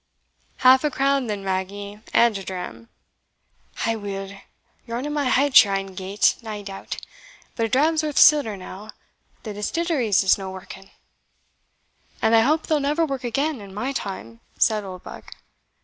"Half a crown then, Maggie, and a dram." "Aweel, your honour maun hae't your ain gate, nae doubt; but a dram's worth siller now the distilleries is no working." "And I hope they'll never work again in my time," said Oldbuck.